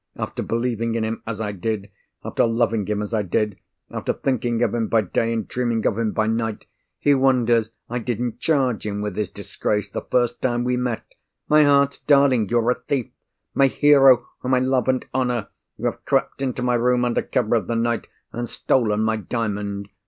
After believing in him as I did, after loving him as I did, after thinking of him by day, and dreaming of him by night—he wonders I didn't charge him with his disgrace the first time we met: 'My heart's darling, you are a Thief! My hero whom I love and honour, you have crept into my room under cover of the night, and stolen my Diamond!